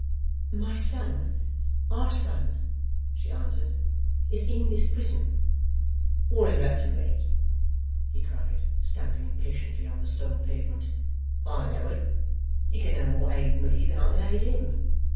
'My son our son,' she answered, 'is in this prison.' 'What is that to me?' he cried, stamping impatiently on the stone pavement. 'I know it. He can no more aid me than I can aid him.